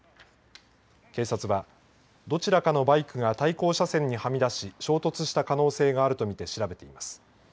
警察は、どちらかのバイクが対向車線にはみ出し衝突した可能性があると見て調べています。